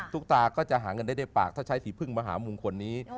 ตุ๊กตาก็จะหาเงินได้ในปากถ้าใช้สีพึ่งมหาหมุงขวนนี้